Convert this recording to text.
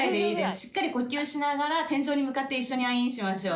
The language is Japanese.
しっかり呼吸しながら天井に向かって一緒に「アイーン」しましょう。